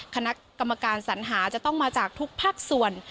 คณะกรรมการสัญหาจะต้องมาจากทุกภาคส่วน